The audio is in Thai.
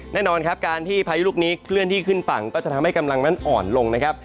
แน่นอนครับการที่พายุลูกนี้เคลื่อนที่ขึ้นฝั่งก็จะทำให้กำลังนั้นอ่อนลงนะครับ